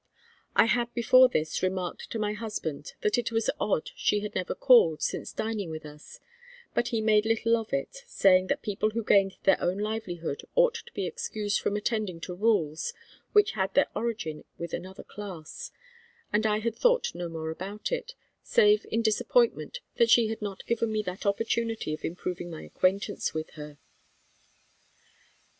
I had before this remarked to my husband that it was odd she had never called since dining with us; but he made little of it, saying that people who gained their own livelihood ought to be excused from attending to rules which had their origin with another class; and I had thought no more about it, save in disappointment that she had not given me that opportunity of improving my acquaintance with her.